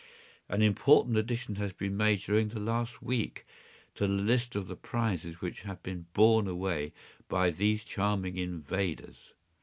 An important addition has been made during the last week to the list of the prizes which have been borne away by these charming invaders.